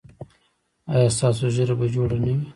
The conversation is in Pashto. ایا ستاسو ږیره به جوړه نه وي؟